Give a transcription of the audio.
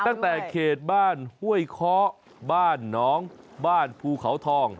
ตั้งแต่เขตบ้านห้วยเคาะบ้านหนองบ้านภูเขาทอง